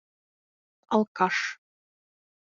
Алкаш.